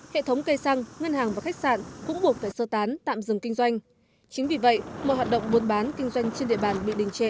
hệ thống cây xăng ngân hàng và khách sạn cũng buộc phải sơ tán tạm dừng kinh doanh